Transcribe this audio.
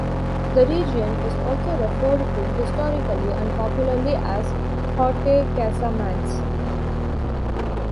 The region is also referred to historically and popularly as Haute Casamance.